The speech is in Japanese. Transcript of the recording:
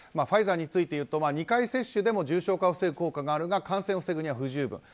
ファイザーについて言うと２回接種でも重症化を防ぐ効果があるが感染を防ぐには不十分。